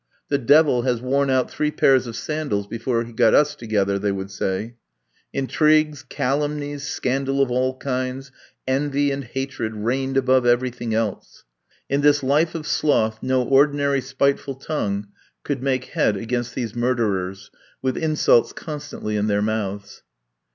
"The devil has worn out three pairs of sandals before he got us together," they would say. Intrigues, calumnies, scandal of all kinds, envy, and hatred reigned above everything else. In this life of sloth, no ordinary spiteful tongue could make head against these murderers, with insults constantly in their mouths.